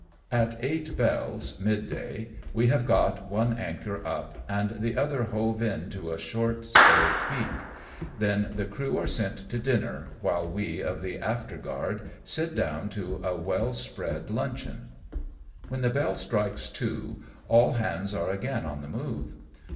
At eight bells, mid day, we have got one anchor up, and the other hove in to a short stay peak ; then the crew are sent to dinner, while we of the after guard sit down to a well spread luncheon. When the bell strikes two, all hands are again on the move.